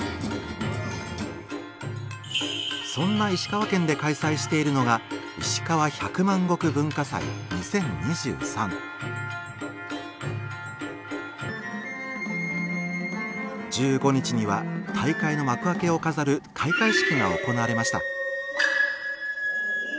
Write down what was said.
そんな石川県で開催しているのが１５日には大会の幕開けを飾る開会式が行われました。